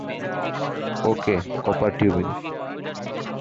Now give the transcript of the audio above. Okay, copper tubing.